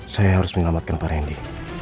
saya harus menyelamatkan pak randy